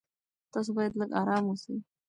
تاسو باید لږ ارام اوسئ.